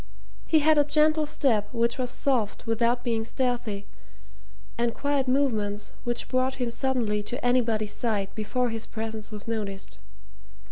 He had a gentle step which was soft without being stealthy, and quiet movements which brought him suddenly to anybody's side before his presence was noticed.